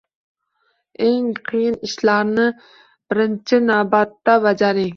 Eng qiyin ishlarni birinchi navbatda bajaring